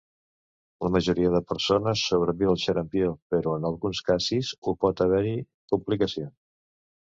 La majoria de persones sobreviu al xarampió, però en alguns casis ho pot haver-hi complicacions.